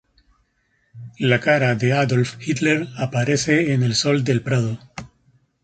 La cara de Adolf Hitler aparece en el sol del prado.